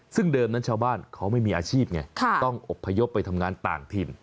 ซึ่งเดิมนั้นชาวบ้านเขาไม่มีอาชีพไงต้องอบพยพไปทำงานต่างถิ่น